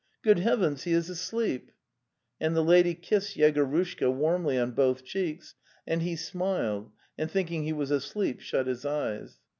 Good heavens, he is asleep! " And the lady kissed Yegorushka warmly on both cheeks, and he smiled and, thinking he was asleep, shut his eyes.